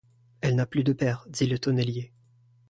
Elle n’a plus de père, dit le tonnelier.